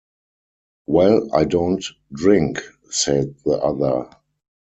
"Well, I don't drink," said the other.